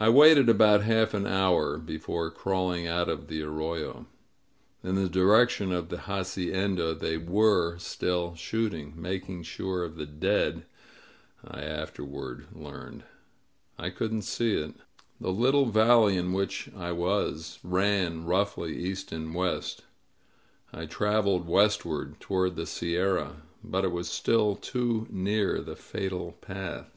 I waited about half an hour before crawling out of the arroyo. In the direction of the hacienda they nf^re still shooting— ^making sure of the dead, I afterward learned. I couldn't see it. The little valley in which I 89 INSURGENT MEXICO was ran roughly east and west. I traveled westward, toward the sierra. But it was still too near the fatal path.